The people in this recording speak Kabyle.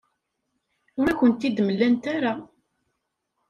Ur ak-ten-id-mlant ara.